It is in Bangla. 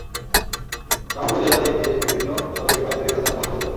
জামালপুর জেলা থেকে বিভিন্ন সড়কে প্রায় দুই হাজার যানবাহন চলাচল করে।